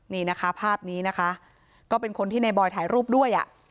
นี่นะคะภาพนี้นะคะก็เป็นคนที่ในบอยถ่ายรูปด้วยอ่ะ